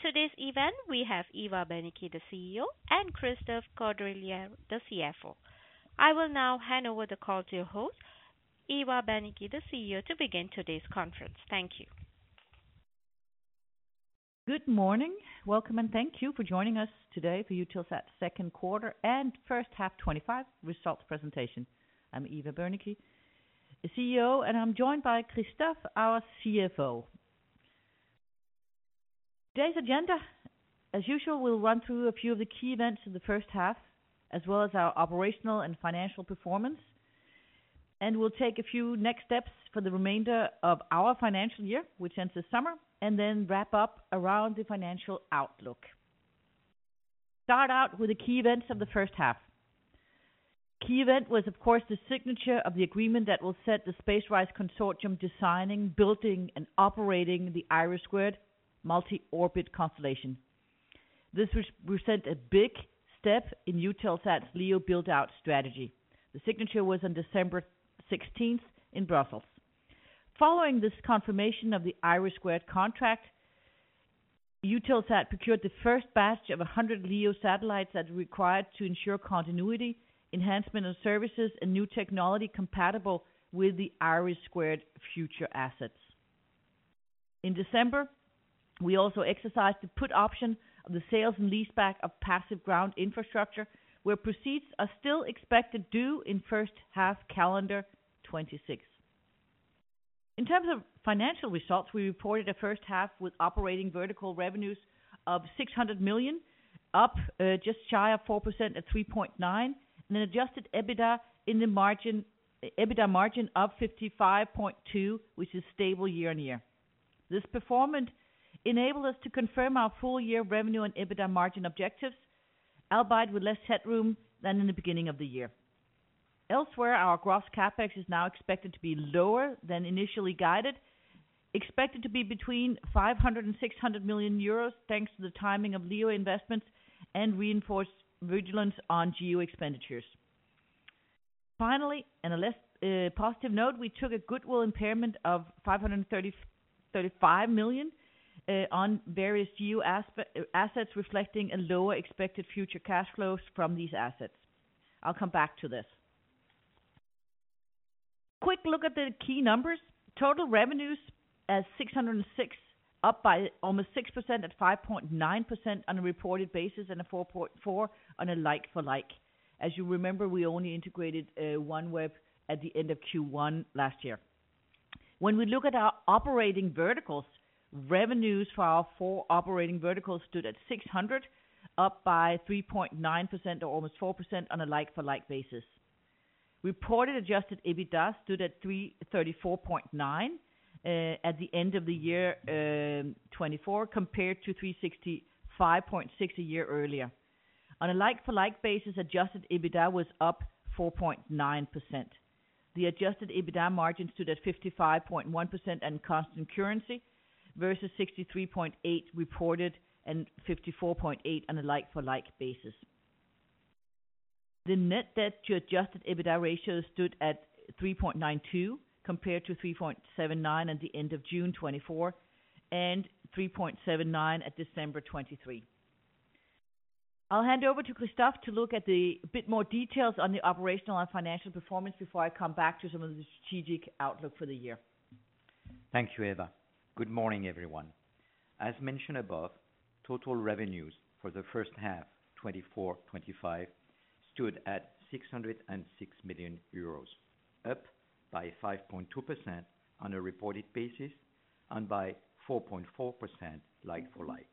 For today's event, we have Eva Berneke, the CEO, and Christophe Caudrelier, the CFO. I will now hand over the call to your host, Eva Berneke, the CEO, to begin today's conference. Thank you. Good morning. Welcome, and thank you for joining us today for Eutelsat second quarter and first half 2025 results presentation. I'm Eva Berneke, the CEO, and I'm joined by Christophe, our CFO. Today's agenda, as usual, we'll run through a few of the key events of the first half, as well as our operational and financial performance, and we'll take a few next steps for the remainder of our financial year, which ends this summer, and then wrap up around the financial outlook. Start out with the key events of the first half. Key event was, of course, the signature of the agreement that will set the SpaceRISE Consortium designing, building, and operating the IRIS² multi-orbit constellation. This represents a big step in Eutelsat's LEO build-out strategy. The signature was on December 16th in Brussels. Following this confirmation of the IRIS² contract, Eutelsat procured the first batch of 100 LEO satellites as required to ensure continuity, enhancement of services, and new technology compatible with the IRIS² future assets. In December, we also exercised the put option of the sales and leaseback of passive ground infrastructure, where proceeds are still expected due in first half calendar 2026. In terms of financial results, we reported a first half with operating vertical revenues of 600 million, up just shy of 4% at 3.9%, and an adjusted EBITDA margin of 55.2%, which is stable year on year. This performance enabled us to confirm our full-year revenue and EBITDA margin objectives, albeit with less headroom than in the beginning of the year. Elsewhere, our gross CapEx is now expected to be lower than initially guided, expected to be between 500-600 million euros, thanks to the timing of LEO investments and reinforced vigilance on GEO expenditures. Finally, on a less positive note, we took a goodwill impairment of 535 million on various GEO assets, reflecting a lower expected future cash flows from these assets. I'll come back to this. Quick look at the key numbers. Total revenues at 606 million, up by almost 6% at 5.9% on a reported basis and 4.4% on a like-for-like. As you remember, we only integrated OneWeb at the end of Q1 last year. When we look at our operating verticals, revenues for our four operating verticals stood at 600 million, up by 3.9% or almost 4% on a like-for-like basis. Reported adjusted EBITDA stood at 334.9 at the end of the year 2024, compared to 365.6 a year earlier. On a like-for-like basis, adjusted EBITDA was up 4.9%. The adjusted EBITDA margin stood at 55.1% and constant currency versus 63.8% reported and 54.8% on a like-for-like basis. The net debt to adjusted EBITDA ratio stood at 3.92, compared to 3.79 at the end of June 2024 and 3.79 at December 2023. I'll hand over to Christophe to look at a bit more details on the operational and financial performance before I come back to some of the strategic outlook for the year. Thank you, Eva. Good morning, everyone. As mentioned above, total revenues for the first half 2024-2025 stood at 606 million euros, up by 5.2% on a reported basis and by 4.4% like-for-like.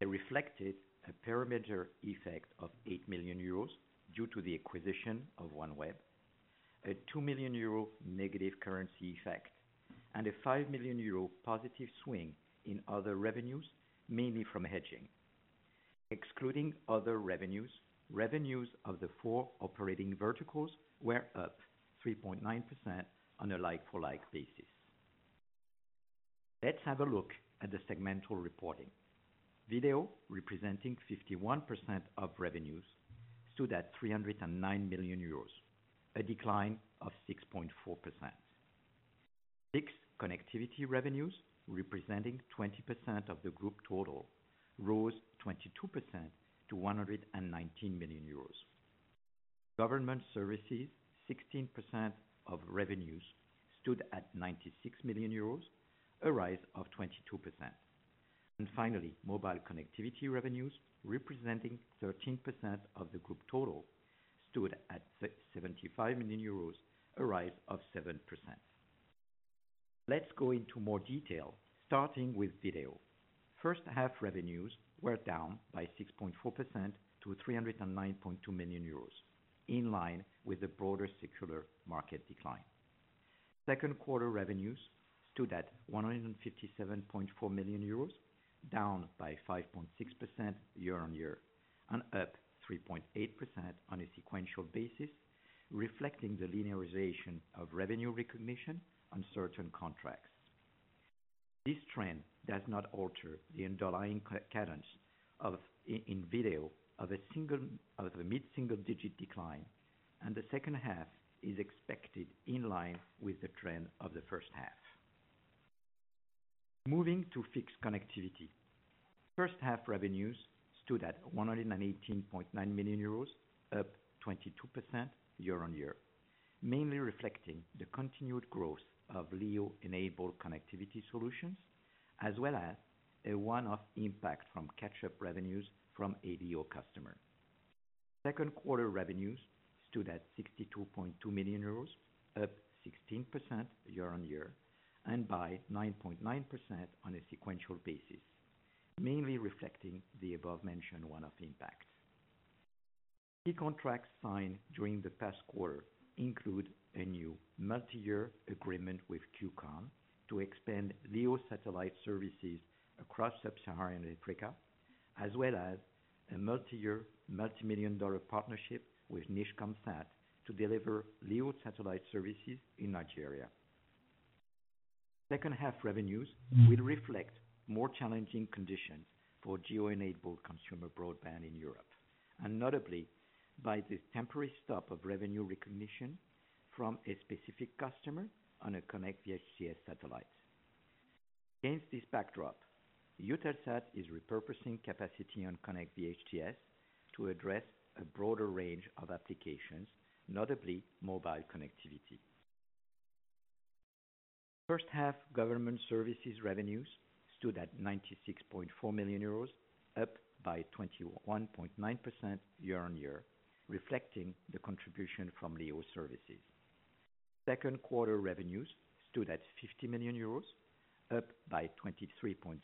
It reflected a perimeter effect of 8 million euros due to the acquisition of OneWeb, a 2 million euro negative currency effect, and a 5 million euro positive swing in other revenues, mainly from hedging. Excluding other revenues, revenues of the four operating verticals were up 3.9% on a like-for-like basis. Let's have a look at the segmental reporting. Video representing 51% of revenues stood at 309 million euros, a decline of 6.4%. Fixed connectivity revenues, representing 20% of the group total, rose 22% to 119 million euros. Government services, 16% of revenues, stood at 96 million euros, a rise of 22%. Finally, mobile connectivity revenues, representing 13% of the group total, stood at 75 million euros, a rise of 7%. Let's go into more detail, starting with video. First half revenues were down by 6.4% to 309.2 million euros, in line with the broader secular market decline. Second quarter revenues stood at 157.4 million euros, down by 5.6% year on year and up 3.8% on a sequential basis, reflecting the linearization of revenue recognition on certain contracts. This trend does not alter the underlying cadence in video of a mid-single-digit decline, and the second half is expected in line with the trend of the first half. Moving to Fixed connectivity. First half revenues stood at 118.9 million euros, up 22% year on year, mainly reflecting the continued growth of LEO-enabled connectivity solutions, as well as a one-off impact from catch-up revenues from Ooredoo customers. Second quarter revenues stood at 62.2 million euros, up 16% year on year and by 9.9% on a sequential basis, mainly reflecting the above-mentioned one-off impact. Key contracts signed during the past quarter include a new multi-year agreement with Q-KON to expand LEO satellite services across Sub-Saharan Africa, as well as a multi-year multi-million dollar partnership with NigComSat to deliver LEO satellite services in Nigeria. Second half revenues will reflect more challenging conditions for GEO-enabled consumer broadband in Europe, and notably by this temporary stop of revenue recognition from a specific customer on a Konnect VHTS satellite. Against this backdrop, Eutelsat is repurposing capacity on Konnect VHTS to address a broader range of applications, notably mobile connectivity. First half government services revenues stood at 96.4 million euros, up by 21.9% year on year, reflecting the contribution from LEO services. Second quarter revenues stood at 50 million euros, up by 23.3%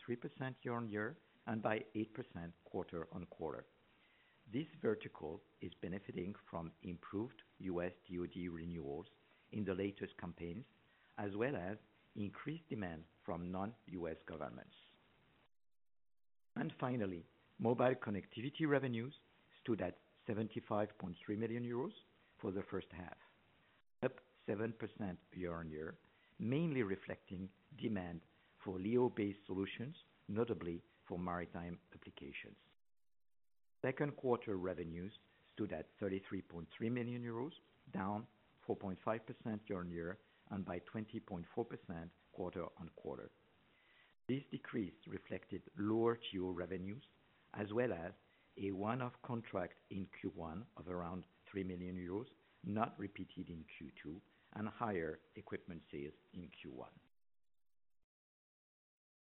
year on year and by 8% quarter on quarter. This vertical is benefiting from improved U.S. DoD renewals in the latest campaigns, as well as increased demand from non-U.S. governments. Finally, mobile connectivity revenues stood at 75.3 million euros for the first half, up 7% year on year, mainly reflecting demand for LEO-based solutions, notably for maritime applications. Second quarter revenues stood at 33.3 million euros, down 4.5% year on year and by 20.4% quarter on quarter. This decrease reflected lower GEO revenues, as well as a one-off contract in Q1 of around 3 million euros, not repeated in Q2, and higher equipment sales in Q1.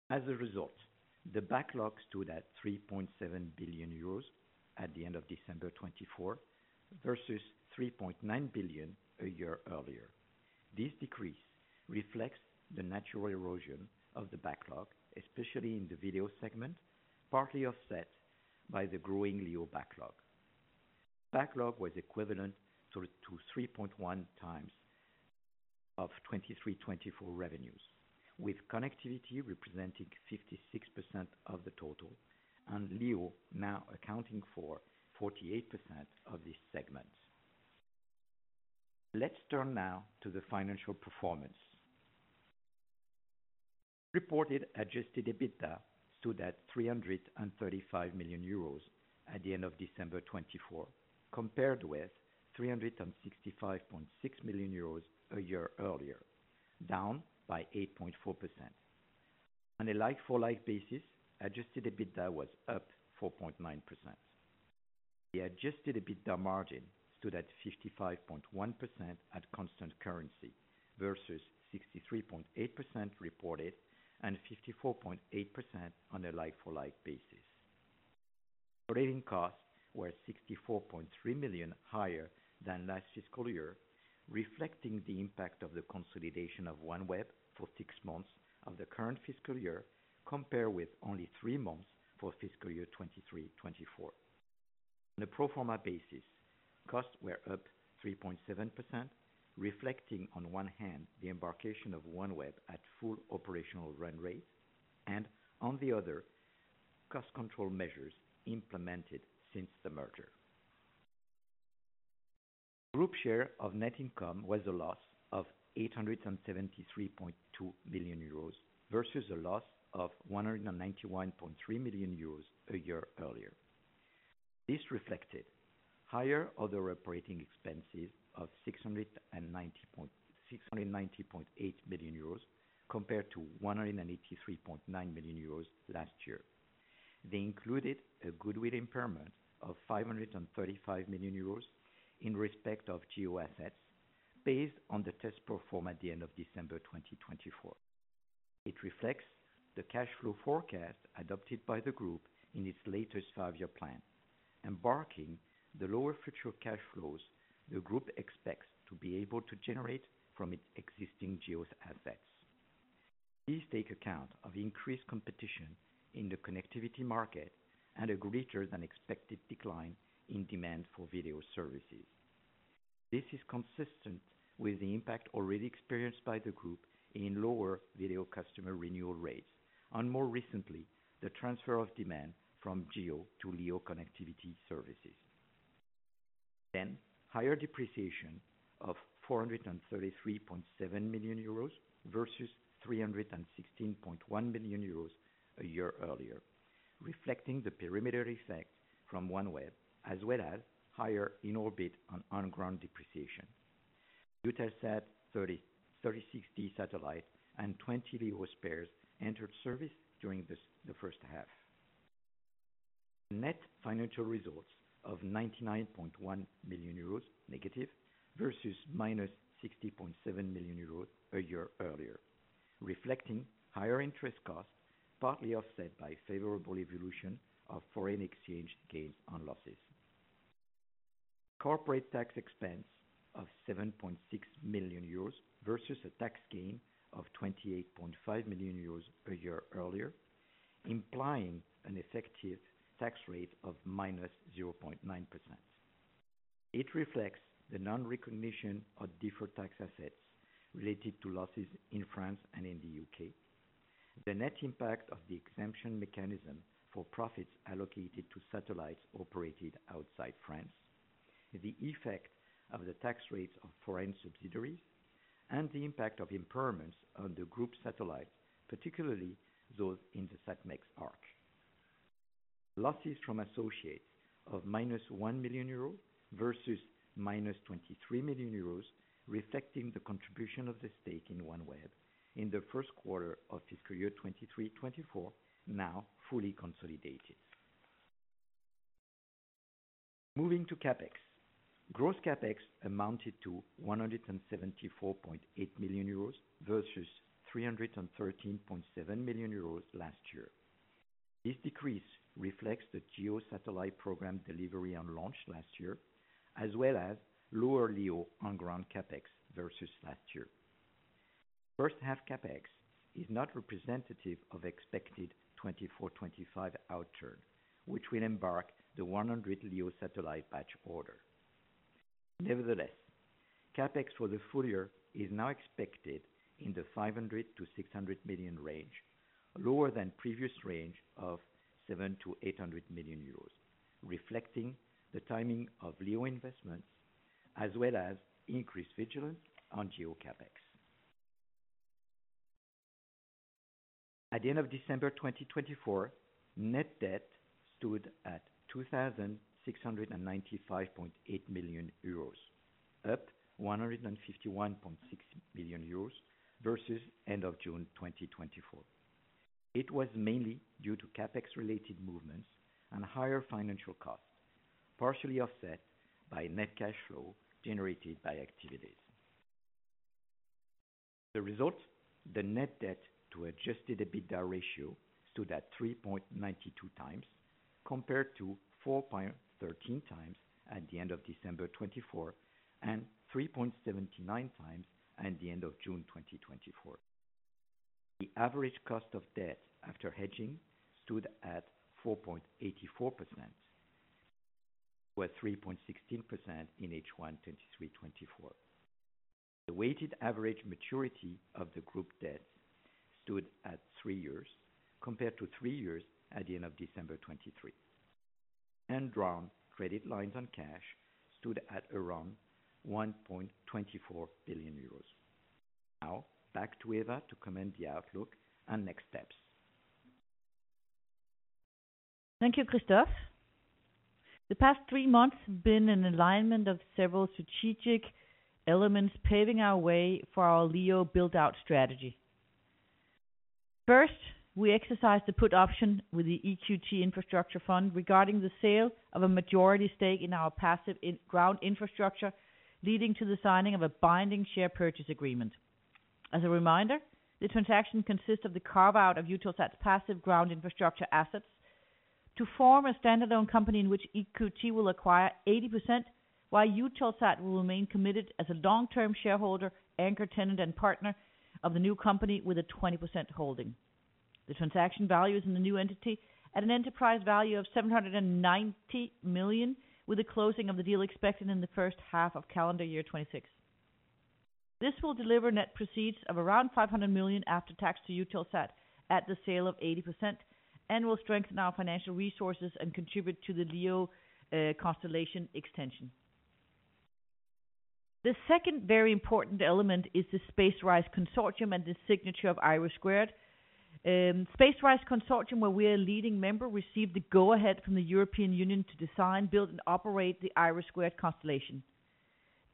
As a result, the backlog stood at 3.7 billion euros at the end of December 2024 versus 3.9 billion a year earlier. This decrease reflects the natural erosion of the backlog, especially in the video segment, partly offset by the growing LEO backlog. Backlog was equivalent to 3.1 times of 23-24 revenues, with connectivity representing 56% of the total and LEO now accounting for 48% of this segment. Let's turn now to the financial performance. Reported adjusted EBITDA stood at 335 million euros at the end of December 2024, compared with 365.6 million euros a year earlier, down by 8.4%. On a like-for-like basis, adjusted EBITDA was up 4.9%. The adjusted EBITDA margin stood at 55.1% at constant currency versus 63.8% reported and 54.8% on a like-for-like basis. Operating costs were 64.3 million higher than last fiscal year, reflecting the impact of the consolidation of OneWeb for six months of the current fiscal year, compared with only three months for fiscal year 2023-2024. On a pro forma basis, costs were up 3.7%, reflecting on one hand the embarkation of OneWeb at full operational run rate and on the other cost control measures implemented since the merger. Group share of net income was a loss of 873.2 million euros versus a loss of 191.3 million euros a year earlier. This reflected higher other operating expenses of 690.8 million euros compared to 183.9 million euros last year. They included a goodwill impairment of 535 million euros in respect of GEO assets based on the test performed at the end of December 2024. It reflects the cash flow forecast adopted by the group in its latest five-year plan, embarking the lower future cash flows the group expects to be able to generate from its existing GEO assets. These take account of increased competition in the connectivity market and a greater than expected decline in demand for video services. This is consistent with the impact already experienced by the group in lower video customer renewal rates and more recently the transfer of demand from GEO to LEO connectivity services. Then, higher depreciation of 433.7 million euros versus 316.1 million euros a year earlier, reflecting the perimeter effect from OneWeb as well as higher in-orbit and on-ground depreciation. EUTELSAT 36D satellite and 20 LEO spares entered service during the first half. Net financial results of 99.1 million euros negative versus minus 60.7 million euros a year earlier, reflecting higher interest costs partly offset by favorable evolution of foreign exchange gains and losses. Corporate tax expense of 7.6 million euros versus a tax gain of 28.5 million euros a year earlier, implying an effective tax rate of minus 0.9%. It reflects the non-recognition of different tax assets related to losses in France and in the UK, the net impact of the exemption mechanism for profits allocated to satellites operated outside France, the effect of the tax rates on foreign subsidiaries, and the impact of impairments on the group satellites, particularly those in the Satmex arc. Losses from associates of minus 1 million euros versus minus 23 million euros, reflecting the contribution of the stake in OneWeb in the first quarter of fiscal year 2023-2024, now fully consolidated. Moving to CapEx. Gross CapEx amounted to 174.8 million euros versus 313.7 million euros last year. This decrease reflects the GEO satellite program delivery and launch last year, as well as lower LEO on-ground CapEx versus last year. First half CapEx is not representative of expected 2024-2025 outturn, which will embark the 100 LEO satellite batch order. Nevertheless, CapEx for the full year is now expected in the 500 million-600 million range, lower than previous range of 700 million-800 million euros, reflecting the timing of LEO investments as well as increased vigilance on GEO CapEx. At the end of December 2024, net debt stood at 2,695.8 million euros, up 151.6 million euros versus end of June 2024. It was mainly due to CapEx-related movements and higher financial costs, partially offset by net cash flow generated by activities. The result, the net debt to adjusted EBITDA ratio stood at 3.92 times compared to 4.13 times at the end of December 2024 and 3.79 times at the end of June 2024. The average cost of debt after hedging stood at 4.84%, with 3.16% in H1-23-24. The weighted average maturity of the group debts stood at three years compared to three years at the end of December 2023. Secured credit lines and cash stood at around 1.24 billion euros. Now, back to Eva to comment on the outlook and next steps. Thank you, Christophe. The past three months have been an alignment of several strategic elements paving our way for our LEO build-out strategy. First, we exercised the put option with the EQT Infrastructure Fund regarding the sale of a majority stake in our passive ground infrastructure, leading to the signing of a binding share purchase agreement. As a reminder, the transaction consists of the carve-out of Eutelsat's passive ground infrastructure assets to form a standalone company in which EQT will acquire 80%, while Eutelsat will remain committed as a long-term shareholder, anchor tenant, and partner of the new company with a 20% holding. The transaction value is in the new entity at an enterprise value of 790 million, with the closing of the deal expected in the first half of calendar year 2026. This will deliver net proceeds of around 500 million after tax to Eutelsat at the sale of 80% and will strengthen our financial resources and contribute to the LEO constellation extension. The second very important element is the SpaceRISE Consortium and the signature of IRIS². SpaceRISE Consortium, where we are a leading member, received the go-ahead from the European Union to design, build, and operate the IRIS² constellation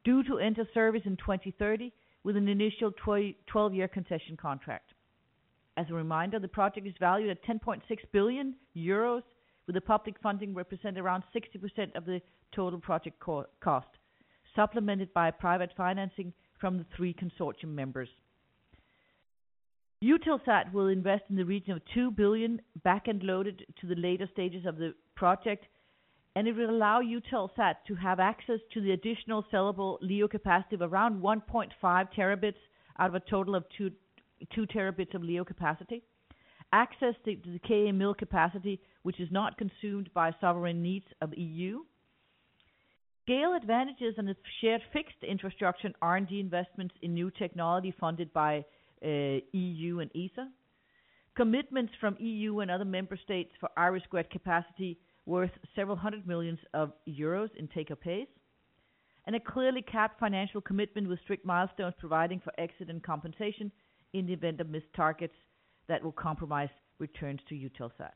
due to enter service in 2030 with an initial 12-year concession contract. As a reminder, the project is valued at 10.6 billion euros, with the public funding representing around 60% of the total project cost, supplemented by private financing from the three consortium members. Eutelsat will invest in the region of 2 billion back-end loaded to the later stages of the project, and it will allow Eutelsat to have access to the additional sellable LEO capacity of around 1.5 terabits out of a total of 2 terabits of LEO capacity, access to the Ka-Mil capacity, which is not consumed by sovereign needs of the EU, scale advantages and shared fixed infrastructure and R&D investments in new technology funded by the EU and ESA, commitments from the EU and other member states for IRIS² capacity worth several hundred million euros in take-up pace And a clearly capped financial commitment with strict milestones providing for exit and compensation in the event of missed targets that will compromise returns to Eutelsat.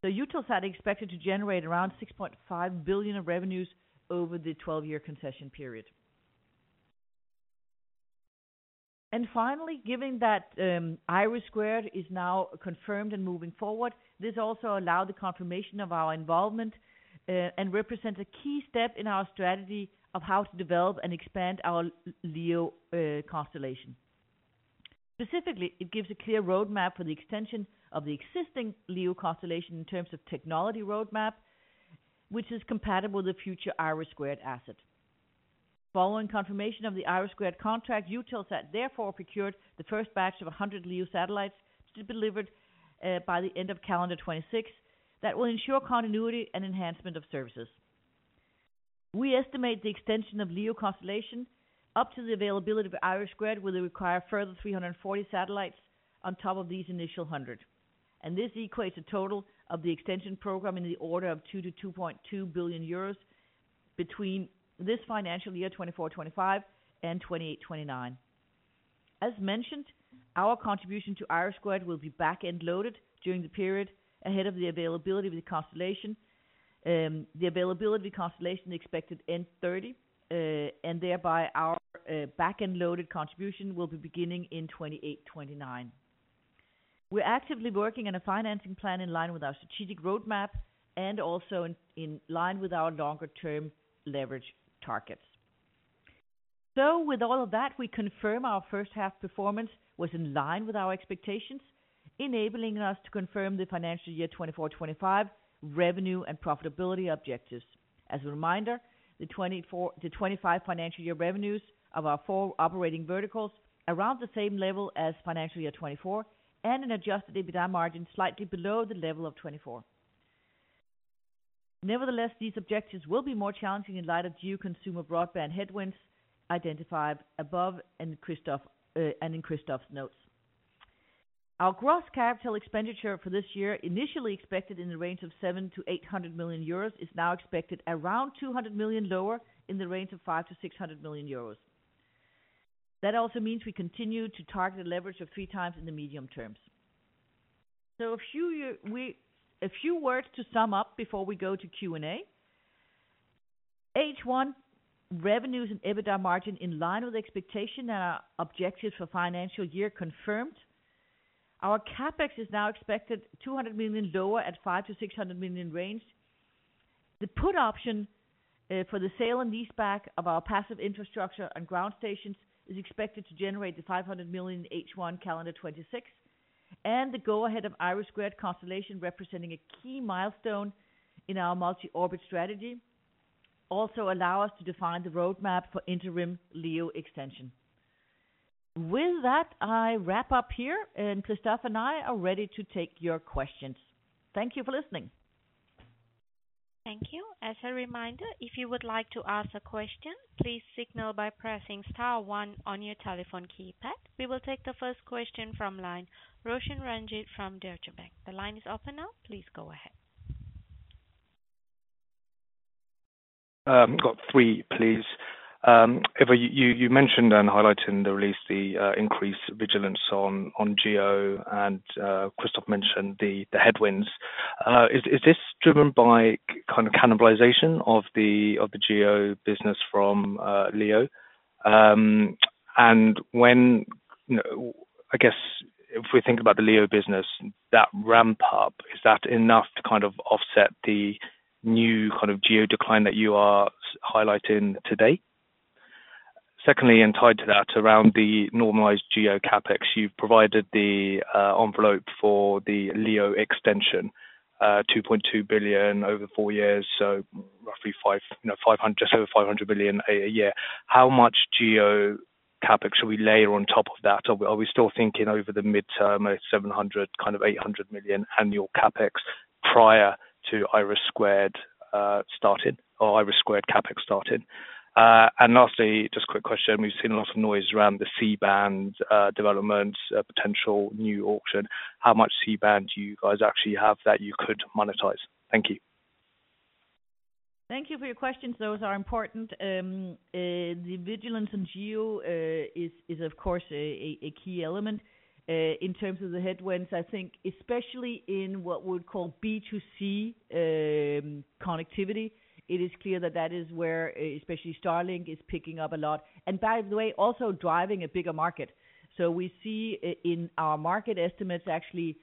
So Eutelsat is expected to generate around 6.5 billion of revenues over the 12-year concession period. Finally, given that IRIS² is now confirmed and moving forward, this also allowed the confirmation of our involvement and represents a key step in our strategy of how to develop and expand our LEO constellation. Specifically, it gives a clear roadmap for the extension of the existing LEO constellation in terms of technology roadmap, which is compatible with the future IRIS² asset. Following confirmation of the IRIS² contract, Eutelsat therefore procured the first batch of 100 LEO satellites to be delivered by the end of calendar 2026 that will ensure continuity and enhancement of services. We estimate the extension of LEO constellation up to the availability of IRIS² will require further 340 satellites on top of these initial 100. This equates a total of the extension program in the order of 2-2.2 billion euros between this financial year 2024-2025 and 2028-2029. As mentioned, our contribution to IRIS² will be back-end loaded during the period ahead of the availability of the constellation. The availability of the constellation is expected in 2030, and thereby our back-end loaded contribution will be beginning in 2028-2029. We're actively working on a financing plan in line with our strategic roadmap and also in line with our longer-term leverage targets. So with all of that, we confirm our first half performance was in line with our expectations, enabling us to confirm the financial year 2024-2025 revenue and profitability objectives. As a reminder, the 2024-2025 financial year revenues of our four operating verticals are around the same level as financial year 2024 and an adjusted EBITDA margin slightly below the level of 2024. Nevertheless, these objectives will be more challenging in light of the consumer broadband headwinds identified above and in Christophe's notes. Our gross capital expenditure for this year, initially expected in the range of 700 million-800 million euros, is now expected around 200 million lower in the range of 500 million-600 million euros. That also means we continue to target a leverage of three times in the medium term. A few words to sum up before we go to Q&A. H1, revenues and EBITDA margin in line with expectation and our objectives for financial year confirmed. Our CapEx is now expected 200 million lower at 5-600 million range. The put option for the sale and leaseback of our passive infrastructure and ground stations is expected to generate 500 million in H1 calendar 2026, and the go-ahead of IRIS² constellation representing a key milestone in our multi-orbit strategy also allows us to define the roadmap for interim LEO extension. With that, I wrap up here, and Christophe and I are ready to take your questions. Thank you for listening. Thank you. As a reminder, if you would like to ask a question, please signal by pressing star one on your telephone keypad. We will take the first question from line Roshan Ranjit from Deutsche Bank. The line is open now. Please go ahead. Got three, please. Eva, you mentioned and highlighted in the release the increased vigilance on GEO, and Christophe mentioned the headwinds. Is this driven by kind of cannibalization of the GEO business from LEO? And I guess if we think about the LEO business, that ramp-up, is that enough to kind of offset the new kind of GEO decline that you are highlighting today? Secondly, and tied to that, around the normalized GEO CapEx, you've provided the envelope for the LEO extension, 2.2 billion over four years, so roughly just over 500 million a year. How much GEO CapEx should we layer on top of that? Are we still thinking over the midterm of 700, kind of 800 million annual CapEx prior to IRIS² starting or IRIS² CapEx starting? And lastly, just a quick question. We've seen a lot of noise around the C-band development potential new auction. How much C-band do you guys actually have that you could monetize? Thank you. Thank you for your questions. Those are important. The vigilance in GEO is, of course, a key element. In terms of the headwinds, I think especially in what we would call B2C connectivity, it is clear that that is where especially Starlink is picking up a lot. By the way, also driving a bigger market. We see in our market estimates, actually,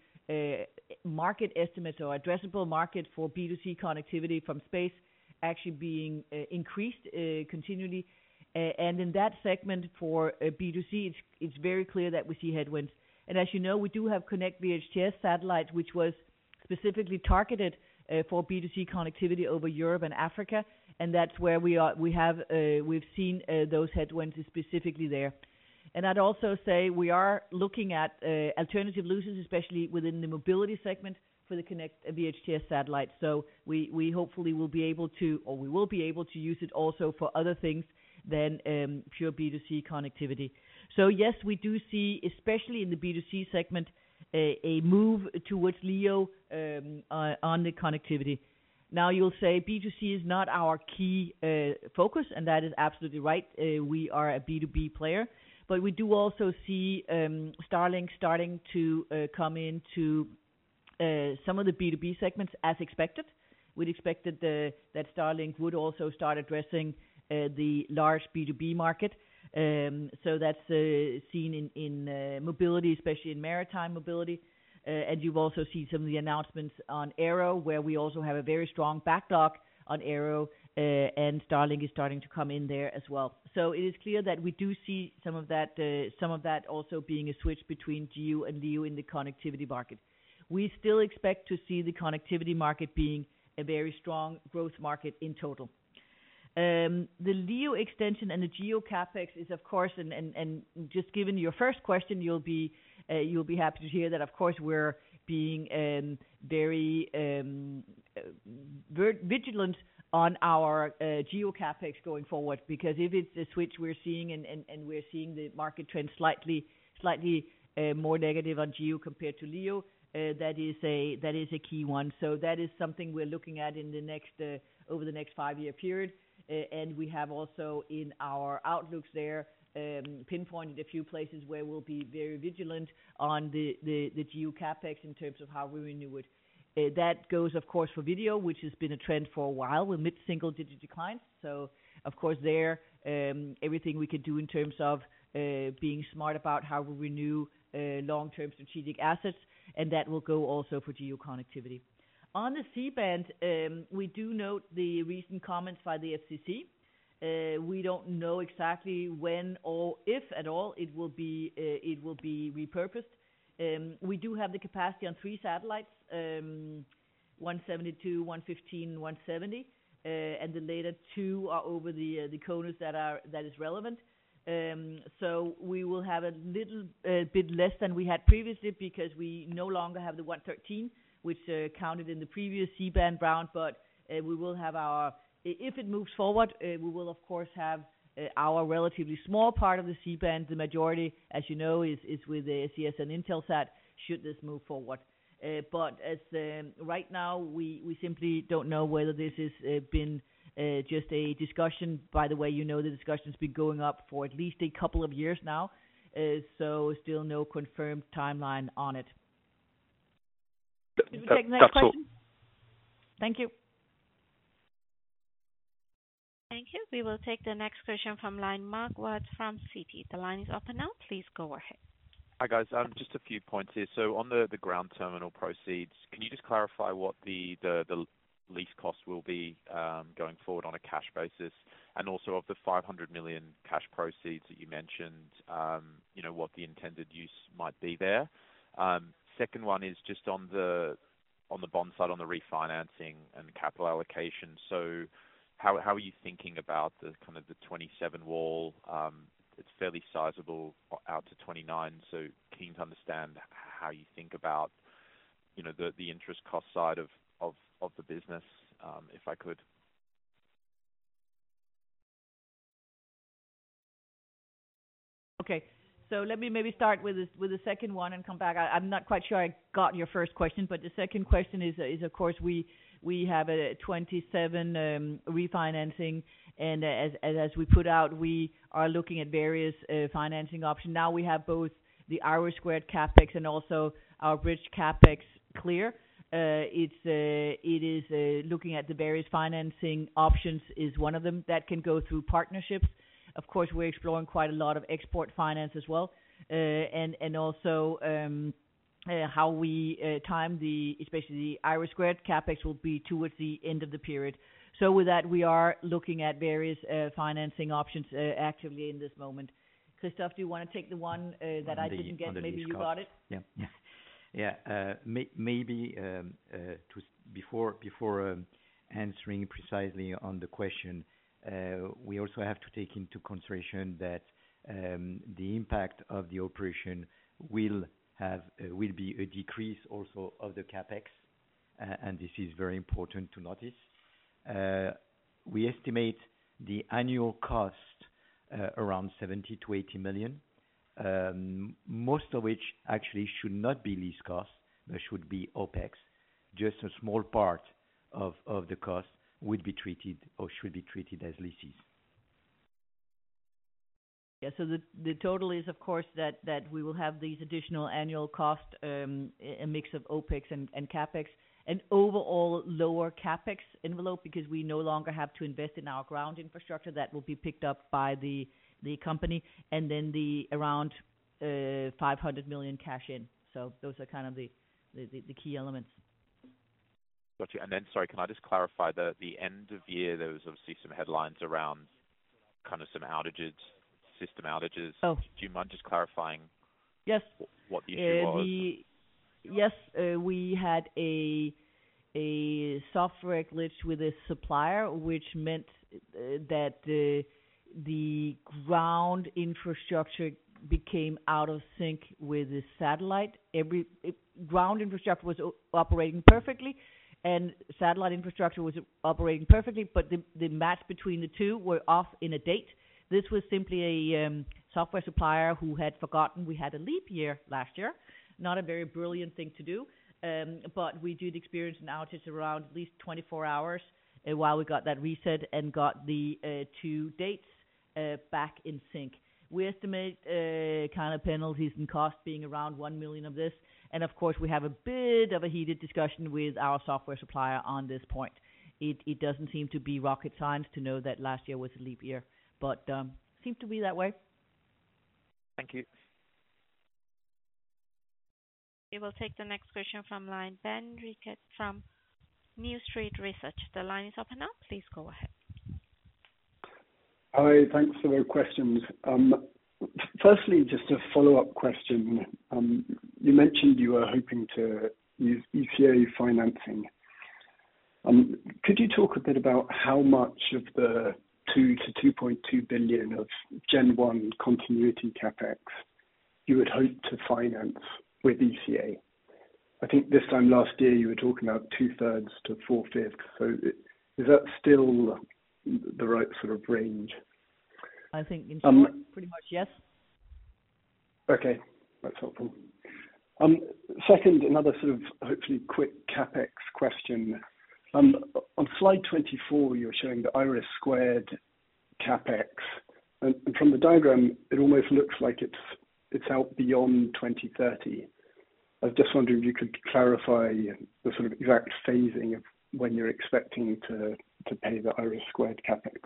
market estimates or addressable market for B2C connectivity from space actually being increased continually. In that segment for B2C, it's very clear that we see headwinds. As you know, we do have Konnect VHTS satellites, which was specifically targeted for B2C connectivity over Europe and Africa. That's where we have, we've seen those headwinds specifically there. I'd also say we are looking at alternative uses, especially within the mobility segment for the Konnect VHTS satellites. We hopefully will be able to, or we will be able to use it also for other things than pure B2C connectivity. Yes, we do see, especially in the B2C segment, a move towards LEO on the connectivity. You'll say B2C is not our key focus, and that is absolutely right. We are a B2B player. But we do also see Starlink starting to come into some of the B2B segments as expected. We'd expected that Starlink would also start addressing the large B2B market. So that's seen in mobility, especially in maritime mobility. And you've also seen some of the announcements on Aero, where we also have a very strong backlog on Aero, and Starlink is starting to come in there as well. So it is clear that we do see some of that, some of that also being a switch between GEO and LEO in the connectivity market. We still expect to see the connectivity market being a very strong growth market in total. The LEO extension and the GEO CapEx is, of course, and just given your first question, you'll be happy to hear that, of course, we're being very vigilant on our GEO CapEx going forward, because if it's the switch we're seeing and we're seeing the market trend slightly more negative on GEO compared to LEO, that is a key one. So that is something we're looking at over the next five-year period. And we have also in our outlooks there pinpointed a few places where we'll be very vigilant on the GEO CapEx in terms of how we renew it. That goes, of course, for video, which has been a trend for a while with mid-single digit declines. So of course, there, everything we can do in terms of being smart about how we renew long-term strategic assets, and that will go also for GEO connectivity. On the C-band, we do note the recent comments by the FCC. We don't know exactly when or if at all it will be repurposed. We do have the capacity on three satellites, 172, 115, 117, and the later two are over the CONUS that is relevant. So we will have a little bit less than we had previously because we no longer have the 113, which counted in the previous C-band round, but we will have our if it moves forward, we will, of course, have our relatively small part of the C-band. The majority, as you know, is with SES and Intelsat should this move forward. But as right now, we simply don't know whether this has been just a discussion. By the way, you know the discussion has been going on for at least a couple of years now, so still no confirmed timeline on it. Did we take the next question? Thank you. Thank you. We will take the next question from line Mark Watts from Citi. The line is open now. Please go ahead. Hi guys. Just a few points here. So on the ground terminal proceeds, can you just clarify what the lease cost will be going forward on a cash basis? And also of the 500 million cash proceeds that you mentioned, what the intended use might be there. Second one is just on the bond side, on the refinancing and capital allocation. So how are you thinking about the kind of the 2027 wall? It's fairly sizable out to 2029, so keen to understand how you think about the interest cost side of the business, if I could. Okay. So let me maybe start with the second one and come back. I'm not quite sure I got your first question, but the second question is, of course, we have a 27 refinancing, and as we put out, we are looking at various financing options. Now we have both the IRIS² CapEx and also our bridge CapEx clear. It is looking at the various financing options is one of them that can go through partnerships. Of course, we're exploring quite a lot of export finance as well, and also how we time the, especially the IRIS² CapEx will be towards the end of the period. So with that, we are looking at various financing options actively in this moment. Christophe, do you want to take the one that. Yeah. Maybe before answering precisely on the question, we also have to take into consideration that the impact of the operation will be a decrease also of the CapEx, and this is very important to notice. We estimate the annual cost around 70 million-80 million, most of which actually should not be lease costs, but should be OpEx. Just a small part of the cost would be treated or should be treated as leases. Yeah. So the total is, of course, that we will have these additional annual costs, a mix of OpEx and CapEx, an overall lower CapEx envelope because we no longer have to invest in our ground infrastructure that will be picked up by the company, and then the around 500 million cash in. So those are kind of the key elements. Gotcha. And then, sorry, can I just clarify the end of year? There was obviously some headlines around kind of some outages, system outages. Do you mind just clarifying? what the issue was? Yes. We had a software glitch with a supplier, which meant that the ground infrastructure became out of sync with the satellite. Ground infrastructure was operating perfectly, and satellite infrastructure was operating perfectly, but the match between the two were off in a date. This was simply a software supplier who had forgotten we had a leap year last year. Not a very brilliant thing to do, but we did experience an outage around at least 24 hours while we got that reset and got the two dates back in sync. We estimate kind of penalties and costs being around 1 million. And of course, we have a bit of a heated discussion with our software supplier on this point. It doesn't seem to be rocket science to know that last year was a leap year, but seemed to be that way. Thank you. We will take the next question from line Ben Rickett from New Street Research. The line is open now. Please go ahead. Hi. Thanks for the questions. Firstly, just a follow-up question. You mentioned you were hoping to use ECA financing. Could you talk a bit about how much of the 2 billion-2.2 billion of Gen 1 continuity CapEx you would hope to finance with ECA? I think this time last year you were talking about two-thirds to four-fifths. So is that still the right sort of range? I think pretty much yes. Okay. That's helpful. Second, another sort of hopefully quick CapEx question. On slide 24, you're showing the IRIS² CapEx, and from the diagram, it almost looks like it's out beyond 2030. I was just wondering if you could clarify the sort of exact phasing of when you're expecting to pay the IRIS² CapEx.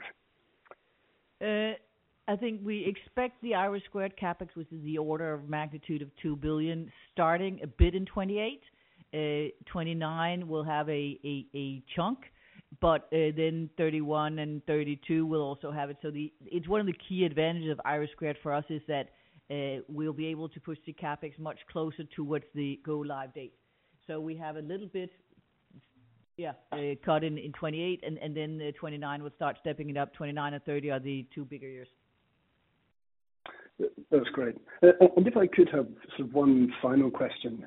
I think we expect the IRIS² CapEx was in the order of magnitude of 2 billion, starting a bit in 2028. 2029 will have a chunk, but then 2031 and 2032 will also have it. So it's one of the key advantages of IRIS² for us is that we'll be able to push the CapEx much closer to what's the go-live date. So we have a little bit, yeah, cut in 2028, and then 2029 will start stepping it up. 2029 and 2030 are the two bigger years. That's great. And if I could have sort of one final question,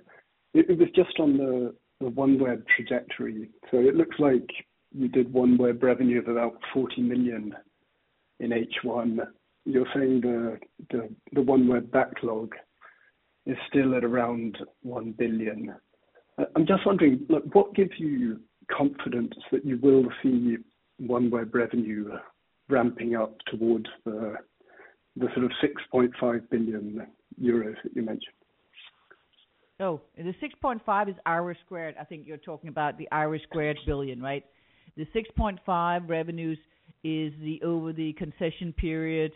it was just on the OneWeb trajectory. So it looks like you did OneWeb revenue of about 40 million in H1. You're saying the OneWeb backlog is still at around 1 billion. I'm just wondering, look, what gives you confidence that you will see OneWeb revenue ramping up towards the sort of 6.5 billion euros that you mentioned? Oh, the 6.5 is IRIS². I think you're talking about the IRIS² billion, right? The 6.5 revenues is over the concession period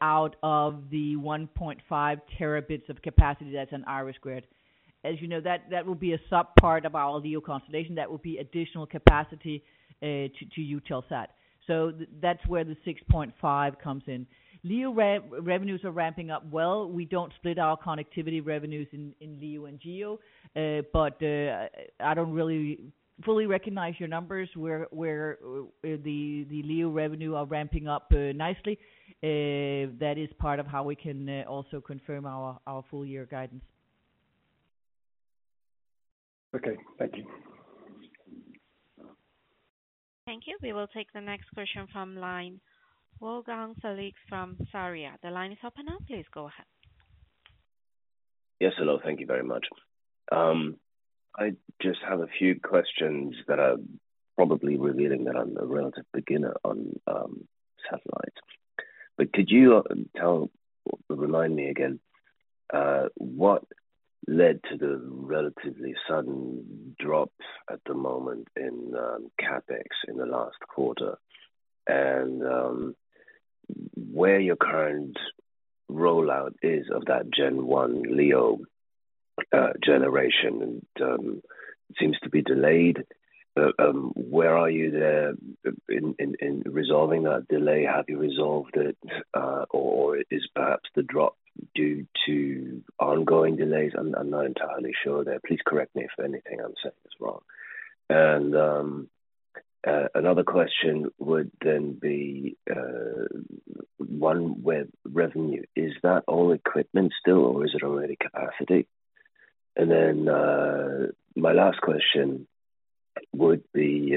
out of the 1.5 terabits of capacity that's in IRIS. As you know, that will be a subpart of our LEO constellation. That will be additional capacity to Eutelsat. So that's where the 6.5 comes in. LEO revenues are ramping up well. We don't split our connectivity revenues in LEO and GEO, but I don't really fully recognize your numbers. The LEO revenue are ramping up nicely. That is part of how we can also confirm our full-year guidance. Okay. Thank you. Thank you. We will take the next question from line Wolfgang Felix from Sarria. The line is open now. Please go ahead. Yes. Hello. Thank you very much. I just have a few questions that are probably revealing that I'm a relative beginner on satellites. But could you remind me again what led to the relatively sudden drop at the moment in CapEx in the last quarter and where your current rollout is of that Gen 1 LEO generation? It seems to be delayed. Where are you there in resolving that delay? Have you resolved it, or is perhaps the drop due to ongoing delays? I'm not entirely sure there. Please correct me if anything I'm saying is wrong. And another question would then be OneWeb revenue. Is that all equipment still, or is it already capacity? And then my last question would be,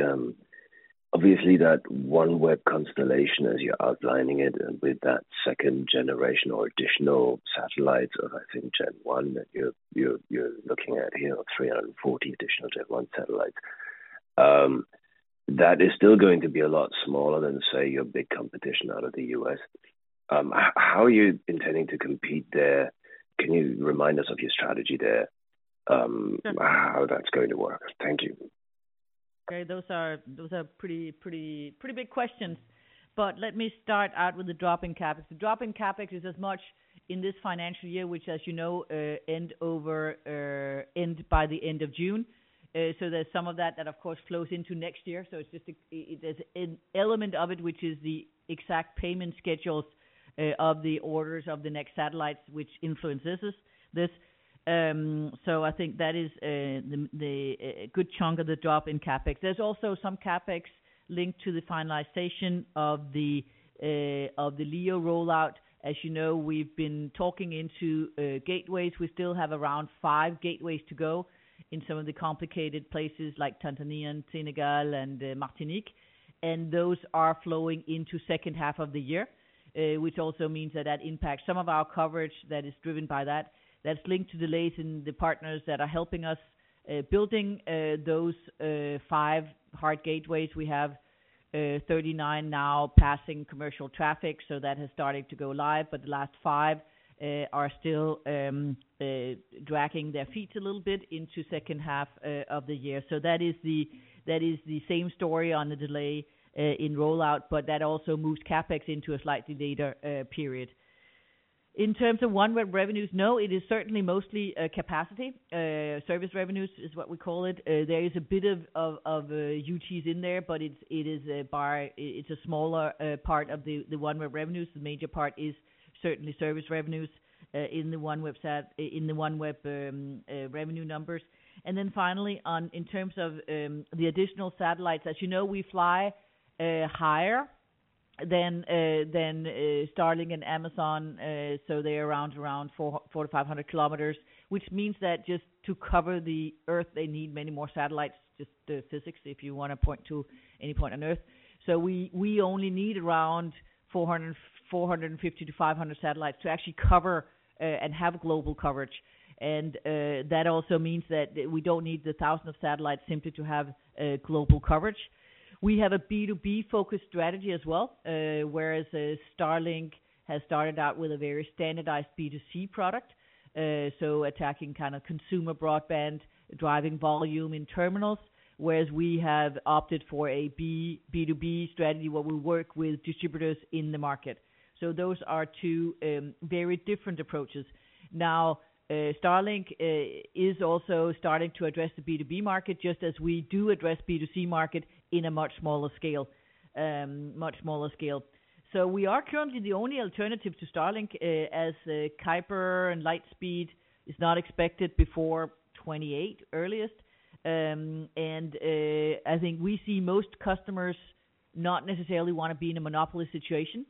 obviously, that OneWeb constellation, as you're outlining it, with that second generation or additional satellites of, I think, Gen 1 that you're looking at here, 340 additional Gen 1 satellites, that is still going to be a lot smaller than, say, your big competition out of the U.S. How are you intending to compete there? Can you remind us of your strategy there, how that's going to work? Thank you. Okay. Those are pretty big questions. But let me start out with the drop in CapEx. The drop in CapEx is as much in this financial year, which, as you know, ends by the end of June. So there's some of that, of course, that flows into next year. So it's just, there's an element of it, which is the exact payment schedules of the orders of the next satellites, which influences this. I think that is a good chunk of the drop in CapEx. There's also some CapEx linked to the finalization of the LEO rollout. As you know, we've been talking about gateways. We still have around five gateways to go in some of the complicated places like Tanzania, Senegal, and Martinique. And those are flowing into the second half of the year, which also means that that impacts some of our coverage that is driven by that. That's linked to delays in the partners that are helping us building those five hard gateways. We have 39 now passing commercial traffic, so that has started to go live, but the last five are still dragging their feet a little bit into the second half of the year. That is the same story on the delay in rollout, but that also moves CapEx into a slightly later period. In terms of OneWeb revenues, no, it is certainly mostly capacity. Service revenues is what we call it. There is a bit of UTs in there, but it's a smaller part of the OneWeb revenues. The major part is certainly service revenues in the OneWeb revenue numbers. And then finally, in terms of the additional satellites, as you know, we fly higher than Starlink and Amazon, so they're around 400-500 kilometers, which means that just to cover the Earth, they need many more satellites, just the physics, if you want to point to any point on Earth. So we only need around 450-500 satellites to actually cover and have global coverage. And that also means that we don't need the thousands of satellites simply to have global coverage. We have a B2B-focused strategy as well, whereas Starlink has started out with a very standardized B2C product, so attacking kind of consumer broadband, driving volume in terminals, whereas we have opted for a B2B strategy where we work with distributors in the market. So those are two very different approaches. Now, Starlink is also starting to address the B2B market, just as we do address the B2C market in a much smaller scale, much smaller scale. So we are currently the only alternative to Starlink as Kuiper and Lightspeed is not expected before 2028 earliest, and I think we see most customers not necessarily want to be in a monopoly situation.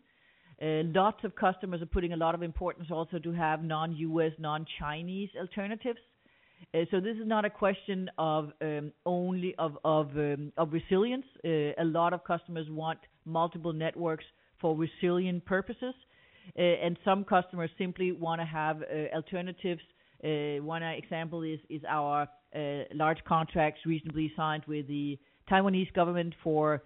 Lots of customers are putting a lot of importance also to have non-U.S., non-Chinese alternatives. So this is not a question of only of resilience. A lot of customers want multiple networks for resilient purposes, and some customers simply want to have alternatives. One example is our large contracts reasonably signed with the Taiwanese government for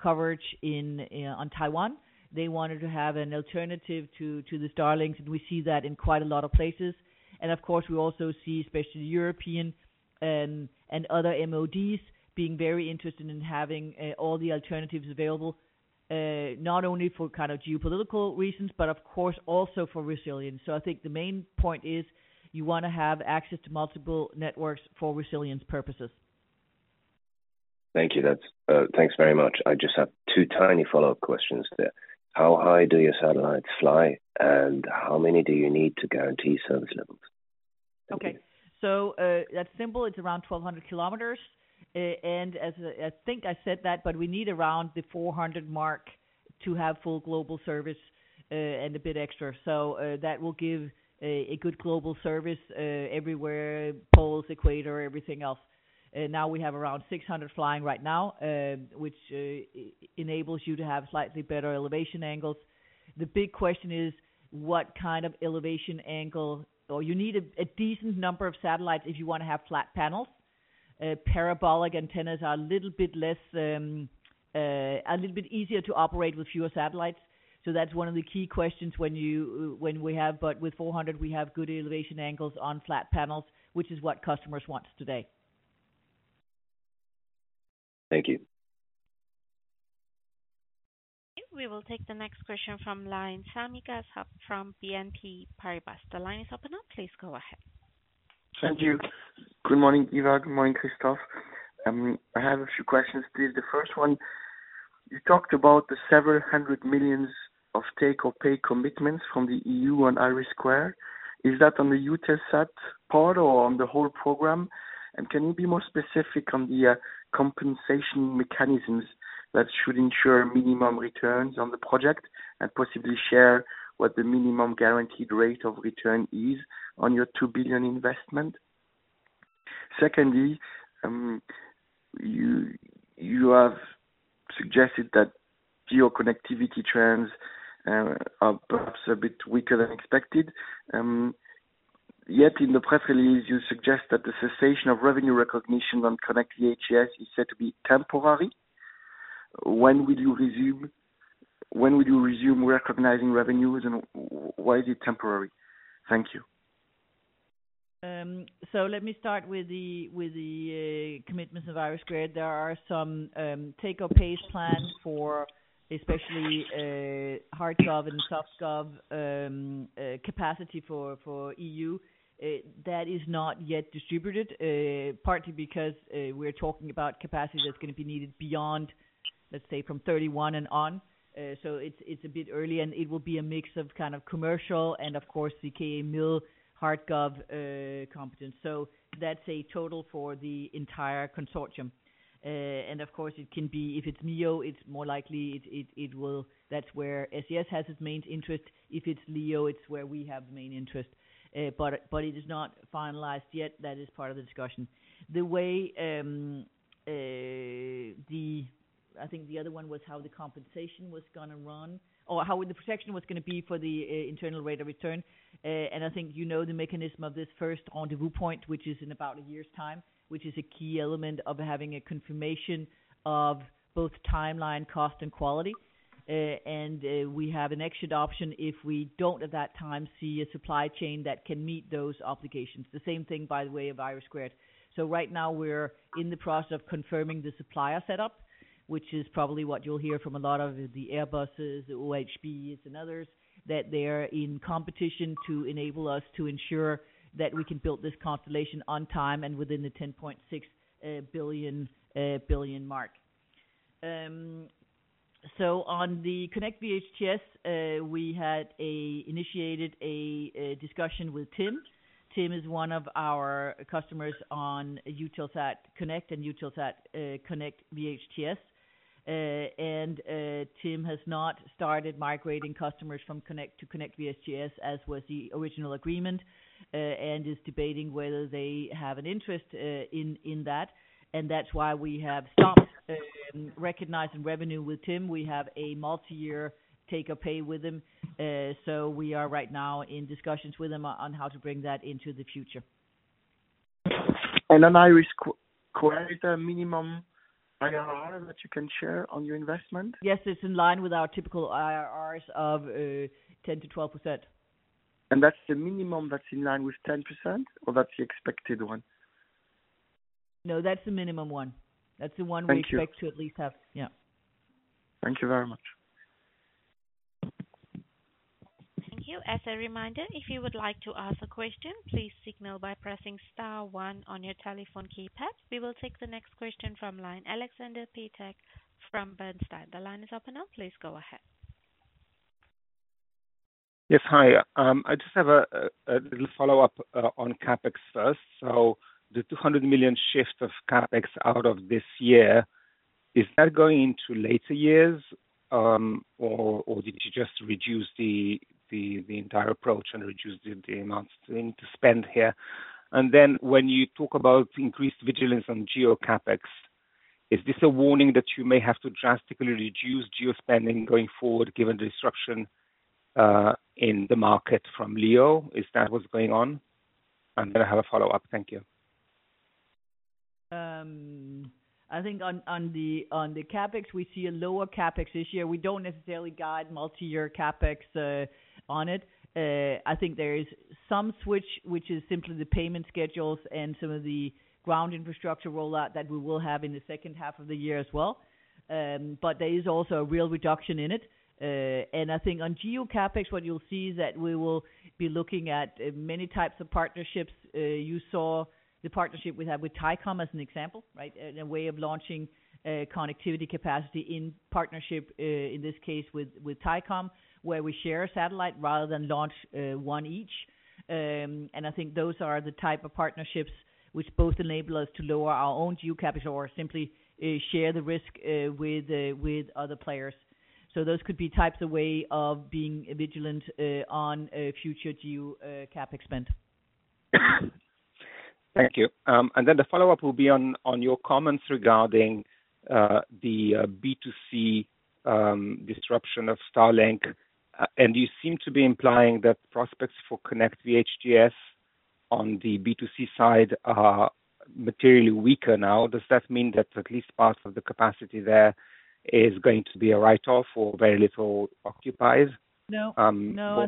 coverage on Taiwan. They wanted to have an alternative to the Starlink, and we see that in quite a lot of places. And of course, we also see especially European and other MODs being very interested in having all the alternatives available, not only for kind of geopolitical reasons, but of course, also for resilience, so I think the main point is you want to have access to multiple networks for resilience purposes. Thank you. Thanks very much. I just have two tiny follow-up questions there. How high do your satellites fly, and how many do you need to guarantee service levels? Okay, so that's simple. It's around 1,200 kilometers. And I think I said that, but we need around the 400 mark to have full global service and a bit extra. So that will give a good global service everywhere: poles, equator, everything else. Now we have around 600 flying right now, which enables you to have slightly better elevation angles. The big question is what kind of elevation angle, or you need a decent number of satellites if you want to have flat panels. Parabolic antennas are a little bit less, a little bit easier to operate with fewer satellites. So that's one of the key questions when we have, but with 400, we have good elevation angles on flat panels, which is what customers want today. Thank you. We will take the next question from Sami Kassab from BNP Paribas. The line is open now. Please go ahead. Thank you. Good morning, Eva. Good morning, Christophe. I have a few questions to you. The first one, you talked about the several hundred millions of take-or-pay commitments from the EU on IRIS². Is that on the Eutelsat part or on the whole program? And can you be more specific on the compensation mechanisms that should ensure minimum returns on the project and possibly share what the minimum guaranteed rate of return is on your 2 billion investment? Secondly, you have suggested that Geo connectivity trends are perhaps a bit weaker than expected. Yet in the press release, you suggest that the cessation of revenue recognition on Konnect VHTS is said to be temporary. When will you resume recognizing revenues, and why is it temporary? Thank you. So let me start with the commitments of IRIS². There are some take-or-pay plans for especially hard gov and soft gov capacity for EU. That is not yet distributed, partly because we're talking about capacity that's going to be needed beyond, let's say, from 2031 and on, so it's a bit early, and it will be a mix of kind of commercial and, of course, the hard gov component, so that's a total for the entire consortium, and of course it can be if it's LEO, it's more likely it will. That's where SES has its main interest. If it's LEO, it's where we have the main interest. But it is not finalized yet. That is part of the discussion. The way the, I think, the other one was how the compensation was going to run, or how the protection was going to be for the internal rate of return. And I think you know the mechanism of this first rendezvous point, which is in about a year's time, which is a key element of having a confirmation of both timeline, cost, and quality. And we have an exit option if we don't at that time see a supply chain that can meet those obligations. The same thing, by the way, of IRIS². So right now, we're in the process of confirming the supplier setup, which is probably what you'll hear from a lot of the Airbuses, OHB, and others, that they're in competition to enable us to ensure that we can build this constellation on time and within the 10.6 billion mark. So on the Konnect VHTS, we had initiated a discussion with TIM. TIM is one of our customers on Eutelsat Konnect and Eutelsat Konnect VHTS. And TIM has not started migrating customers from Konnect to Konnect VHTS, as was the original agreement, and is debating whether they have an interest in that. And that's why we have stopped recognizing revenue with TIM. We have a multi-year take-or-pay with him. So we are right now in discussions with him on how to bring that into the future. And on IRIS², is there a minimum IRR that you can share on your investment? Yes. It's in line with our typical IRRs of 10%-12%. And that's the minimum that's in line with 10%, or that's the expected one? No, that's the minimum one. That's the one we expect to at least have. Yeah. Thank you very much. Thank you. As a reminder, if you would like to ask a question, please signal by pressing star one on your telephone keypad. We will take the next question from Aleksander Peterc from Bernstein. The line is open now. Please go ahead. Yes. Hi. I just have a little follow-up on CapEx first. So the 200 million shift of CapEx out of this year, is that going into later years, or did you just reduce the entire approach and reduce the amounts to spend here? And then when you talk about increased vigilance on GEO CapEx, is this a warning that you may have to drastically reduce GEO spending going forward given the disruption in the market from LEO? Is that what's going on? And then I have a follow-up. Thank you. I think on the CapEx, we see a lower CapEx this year. We don't necessarily guide multi-year CapEx on it. I think there is some switch, which is simply the payment schedules and some of the ground infrastructure rollout that we will have in the second half of the year as well. But there is also a real reduction in it. I think on GEO CapEx, what you'll see is that we will be looking at many types of partnerships. You saw the partnership we have with Thaicom as an example, right, in a way of launching connectivity capacity in partnership, in this case with Thaicom, where we share a satellite rather than launch one each. I think those are the type of partnerships which both enable us to lower our own GEO CapEx or simply share the risk with other players. Those could be types of way of being vigilant on future GEO CapEx spend. Thank you. And then the follow-up will be on your comments regarding the B2C disruption of Starlink. And you seem to be implying that prospects for Konnect VHTS on the B2C side are materially weaker now. Does that mean that at least part of the capacity there is going to be a write-off or very little occupied? No.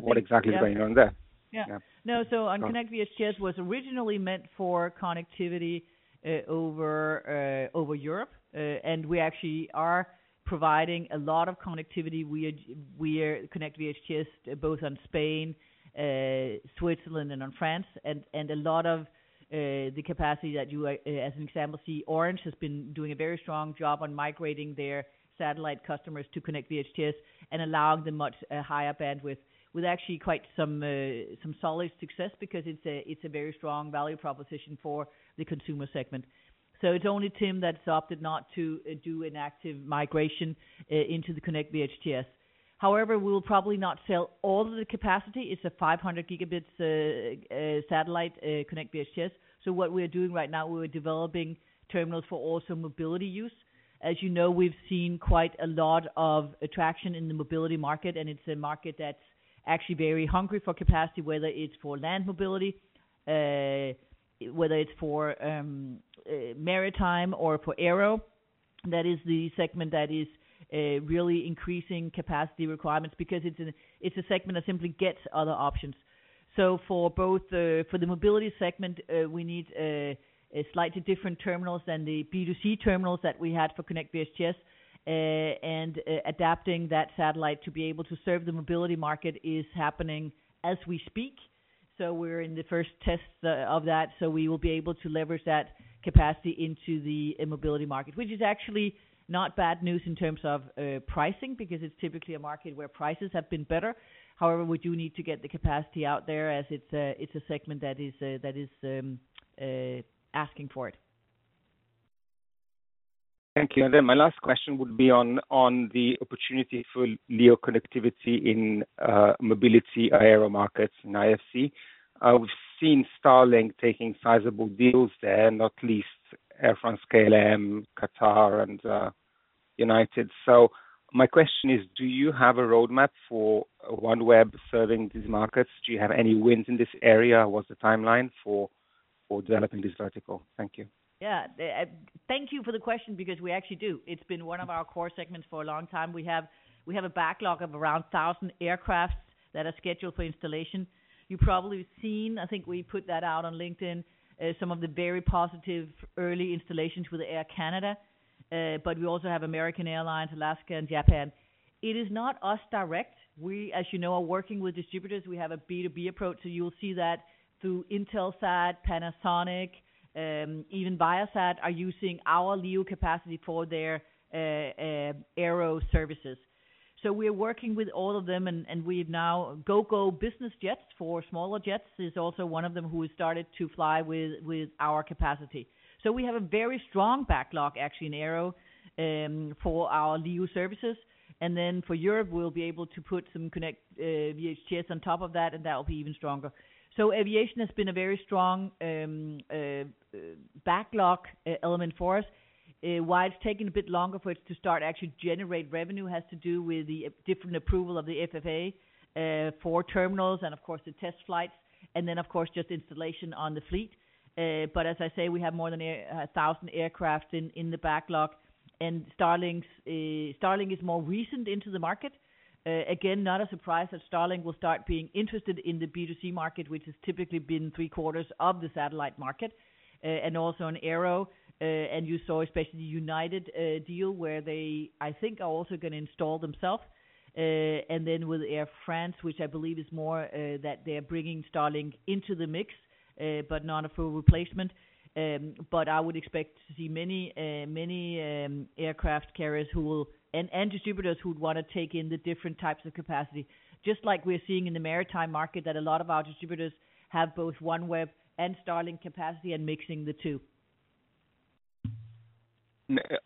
What exactly is going on there? Yeah. No. So on Konnect VHTS was originally meant for connectivity over Europe. And we actually are providing a lot of connectivity. We are Konnect VHTS both on Spain, Switzerland, and on France. And a lot of the capacity that you, as an example, see, Orange has been doing a very strong job on migrating their satellite customers to Konnect VHTS and allowing them much higher bandwidth with actually quite some solid success because it's a very strong value proposition for the consumer segment. It's only TIM that's opted not to do an active migration into the Konnect VHTS. However, we'll probably not sell all of the capacity. It's a 500 gigabits satellite, Konnect VHTS. What we're doing right now, we're developing terminals for also mobility use. As you know, we've seen quite a lot of traction in the mobility market, and it's a market that's actually very hungry for capacity, whether it's for land mobility, whether it's for maritime or for aero. That is the segment that is really increasing capacity requirements because it's a segment that simply doesn't get other options. For the mobility segment, we need slightly different terminals than the B2C terminals that we had for Konnect VHTS. Adapting that satellite to be able to serve the mobility market is happening as we speak. We're in the first test of that. So we will be able to leverage that capacity into the mobility market, which is actually not bad news in terms of pricing because it's typically a market where prices have been better. However, we do need to get the capacity out there as it's a segment that is asking for it. Thank you. And then my last question would be on the opportunity for LEO connectivity in mobility aero markets in IFC. We've seen Starlink taking sizable deals there, not least Air France-KLM, Qatar, and United. So my question is, do you have a roadmap for OneWeb serving these markets? Do you have any wins in this area? What's the timeline for developing this vertical? Thank you. Yeah. Thank you for the question because we actually do. It's been one of our core segments for a long time. We have a backlog of around 1,000 aircraft that are scheduled for installation. You've probably seen, I think we put that out on LinkedIn, some of the very positive early installations with Air Canada. But we also have American Airlines, Alaska, and Japan. It is not us direct. We, as you know, are working with distributors. We have a B2B approach. So you'll see that through Intelsat, Panasonic, even Viasat are using our LEO capacity for their aero services. So we're working with all of them, and we now Gogo Business Aviation for smaller jets is also one of them who has started to fly with our capacity. So we have a very strong backlog actually in aero for our LEO services. Then for Europe, we'll be able to put some Konnect VHTS on top of that, and that will be even stronger. Aviation has been a very strong backlog element for us. Why it's taken a bit longer for it to start actually generate revenue has to do with the different approval of the FAA for terminals and, of course, the test flights. And then, of course, just installation on the fleet. But as I say, we have more than 1,000 aircraft in the backlog. And Starlink is more recent into the market. Again, not a surprise that Starlink will start being interested in the B2C market, which has typically been three-quarters of the satellite market, and also in aero. And you saw especially the United deal where they, I think, are also going to install themselves. And then with Air France, which I believe is more that they're bringing Starlink into the mix, but not a full replacement. But I would expect to see many aircraft carriers and distributors who would want to take in the different types of capacity, just like we're seeing in the maritime market that a lot of our distributors have both OneWeb and Starlink capacity and mixing the two.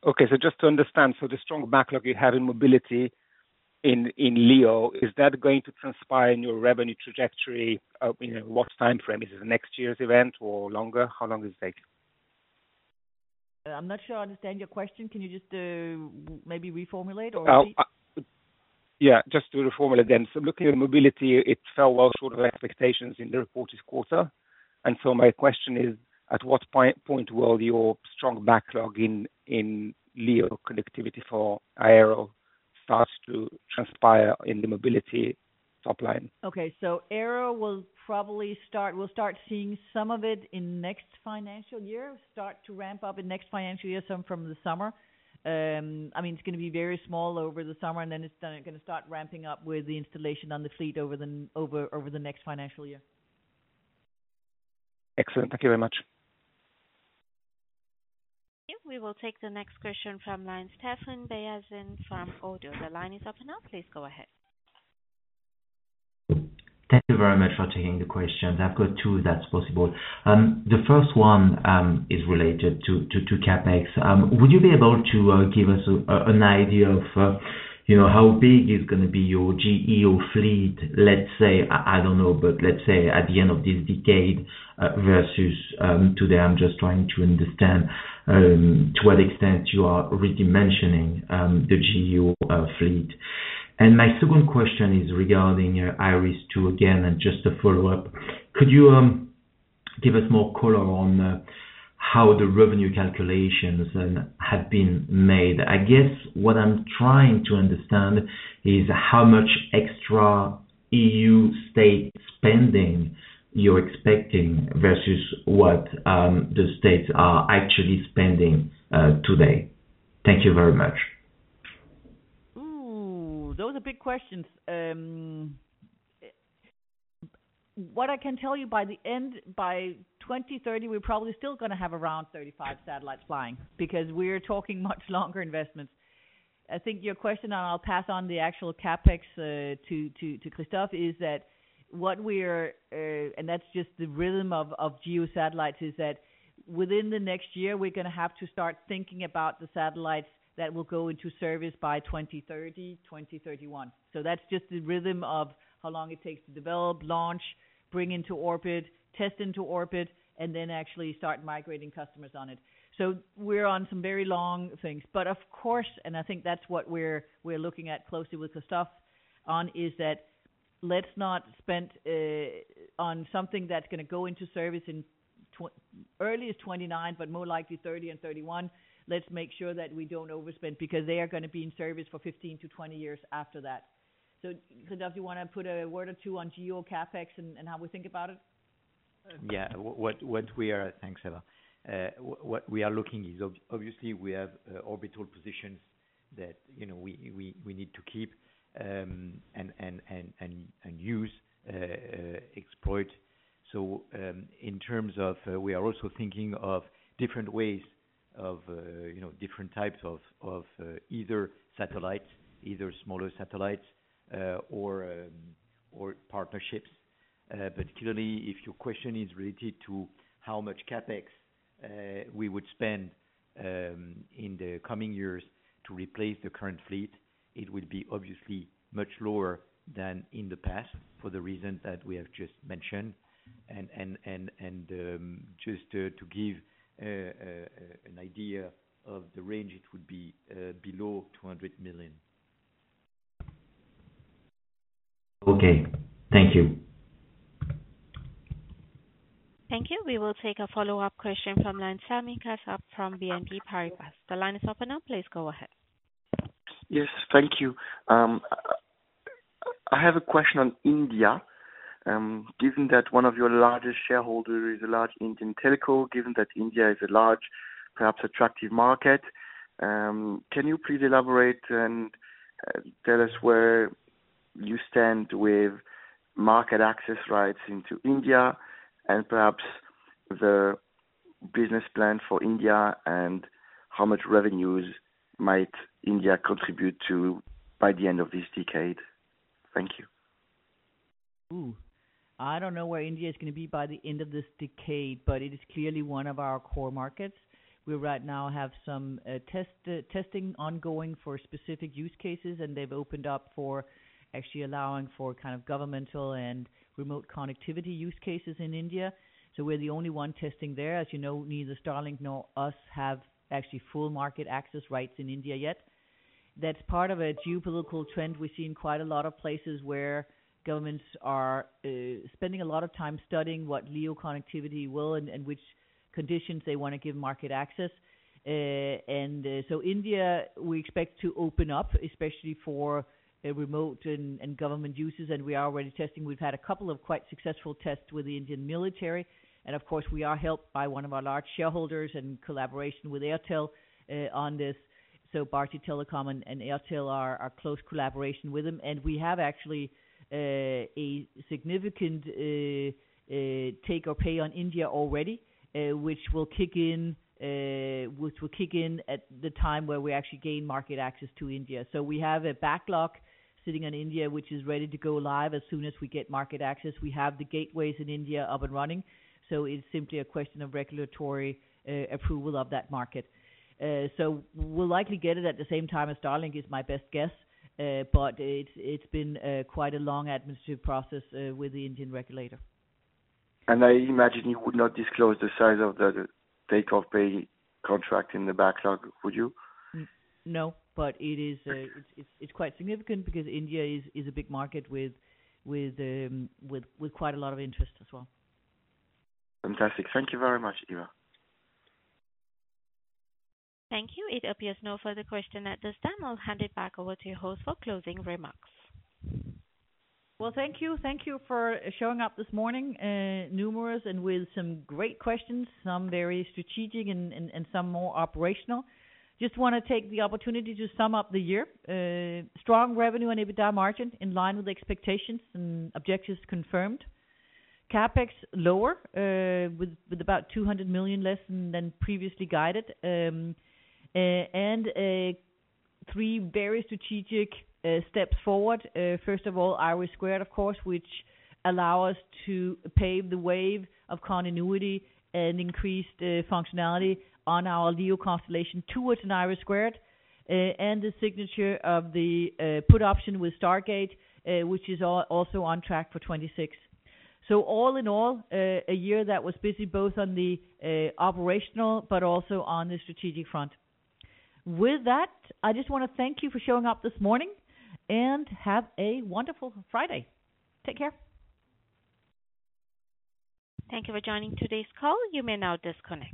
Okay. So just to understand, so the strong backlog you have in mobility in LEO, is that going to transpire in your revenue trajectory? What time frame? Is it the next year's event or longer? How long does it take? I'm not sure I understand your question. Can you just maybe reformulate or repeat? Yeah. Just to reformulate then. So looking at mobility, it fell well short of expectations in the report this quarter. And so my question is, at what point will your strong backlog in LEO connectivity for aero start to transpire in the mobility top line? Okay. So aero will probably start seeing some of it in next financial year, start to ramp up in next financial year some from the summer. I mean, it's going to be very small over the summer, and then it's going to start ramping up with the installation on the fleet over the next financial year. Excellent. Thank you very much. Thank you. We will take the next question from line Stéphane Beyazian from Oddo. The line is open now. Please go ahead. Thank you very much for taking the question. I've got two if that's possible. The first one is related to CapEx. Would you be able to give us an idea of how big is going to be your GEO fleet, let's say, I don't know, but let's say at the end of this decade versus today? I'm just trying to understand to what extent you are redimensioning the GEO fleet, and my second question is regarding IRIS² again, and just a follow-up. Could you give us more color on how the revenue calculations have been made? I guess what I'm trying to understand is how much extra EU state spending you're expecting versus what the states are actually spending today. Thank you very much. Ooh, those are big questions. What I can tell you by the end, by 2030, we're probably still going to have around 35 satellites flying because we're talking much longer investments. I think your question, and I'll pass on the actual CapEx to Christophe, is that's just the rhythm of GEO satellites is that within the next year, we're going to have to start thinking about the satellites that will go into service by 2030-2031. That's just the rhythm of how long it takes to develop, launch, bring into orbit, test into orbit, and then actually start migrating customers on it. We're on some very long things. But of course, and I think that's what we're looking at closely with Christophe on, is that let's not spend on something that's going to go into service in earliest 2029, but more likely 2030 and 2031. Let's make sure that we don't overspend because they are going to be in service for 15-20 years after that. Christophe, do you want to put a word or two on GEO CapEx and how we think about it? Yeah. Thanks, Eva. What we are looking at is, obviously, we have orbital positions that we need to keep and exploit. In terms of, we are also thinking of different ways of different types of either satellites, either smaller satellites, or partnerships. But clearly, if your question is related to how much CapEx we would spend in the coming years to replace the current fleet, it would be obviously much lower than in the past for the reason that we have just mentioned. And just to give an idea of the range, it would be below 200 million. Okay. Thank you. Thank you. We will take a follow-up question from Sami Kassab from BNP Paribas. The line is open now. Please go ahead. Yes. Thank you. I have a question on India. Given that one of your largest shareholders is a large Indian telco, given that India is a large, perhaps attractive market, can you please elaborate and tell us where you stand with market access rights into India and perhaps the business plan for India and how much revenues might India contribute to by the end of this decade? Thank you. Ooh. I don't know where India is going to be by the end of this decade, but it is clearly one of our core markets. We right now have some testing ongoing for specific use cases, and they've opened up for actually allowing for kind of governmental and remote connectivity use cases in India. So we're the only one testing there. As you know, neither Starlink nor us have actually full market access rights in India yet. That's part of a geopolitical trend we see in quite a lot of places where governments are spending a lot of time studying what LEO connectivity will and which conditions they want to give market access. And so India, we expect to open up, especially for remote and government uses. And we are already testing. We've had a couple of quite successful tests with the Indian military. And of course, we are helped by one of our large shareholders and collaboration with Airtel on this. So Bharti Telecom and Airtel are close collaboration with them. And we have actually a significant take-or-pay on India already, which will kick in at the time where we actually gain market access to India. So we have a backlog sitting on India, which is ready to go live as soon as we get market access. We have the gateways in India up and running. So it's simply a question of regulatory approval of that market. So we'll likely get it at the same time as Starlink, is my best guess. But it's been quite a long administrative process with the Indian regulator. And I imagine you would not disclose the size of the take-or-pay contract in the backlog, would you? No, but it's quite significant because India is a big market with quite a lot of interest as well. Fantastic. Thank you very much, Eva. Thank you. It appears no further question at this time. I'll hand it back over to your host for closing remarks. Well, thank you. Thank you for showing up this morning, numerous and with some great questions, some very strategic and some more operational. Just want to take the opportunity to sum up the year. Strong revenue and EBITDA margin in line with expectations and objectives confirmed. CapEx lower with about 200 million less than previously guided and three very strategic steps forward. First of all, IRIS², of course, which allows us to pave the way of continuity and increased functionality on our LEO constellation towards an IRIS² and the signature of the put option with Stargate, which is also on track for 2026. So all in all, a year that was busy both on the operational but also on the strategic front. With that, I just want to thank you for showing up this morning and have a wonderful Friday. Take care Thank you for joining today's call. You may now disconnect.